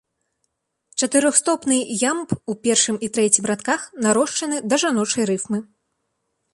Чатырохстопны ямб у першым і трэцім радках нарошчаны да жаночай рыфмы.